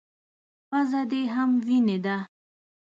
_پزه دې هم وينې ده.